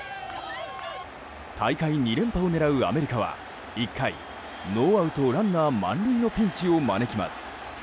大会２連覇を狙うアメリカは１回ノーアウトランナー満塁のピンチを招きます。